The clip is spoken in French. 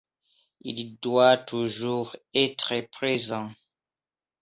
Il doit toujours être présent.